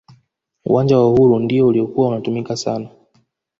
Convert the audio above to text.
uwanja wa uhuru ndiyo uliyokuwa unatumika sana